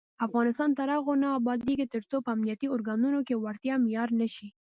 افغانستان تر هغو نه ابادیږي، ترڅو په امنیتي ارګانونو کې وړتیا معیار نشي.